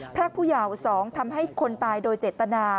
พระผู้เยาว์๒ทำให้คนตายโดยเจตนา